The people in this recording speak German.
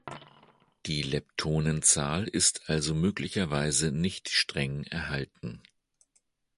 Die Leptonenzahl ist also möglicherweise nicht streng erhalten.